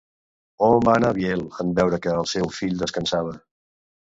On va anar en Biel en veure que el seu fill descansava?